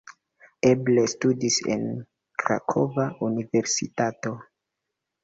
Eble studis en Krakova universitato.